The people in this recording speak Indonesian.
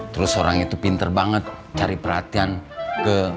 terus orangnya itu pinter banget cari perhatian ke